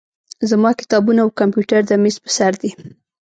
زما کتابونه او کمپیوټر د میز په سر دي.